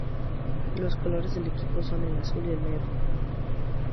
Los colores del equipo son el azul y el negro.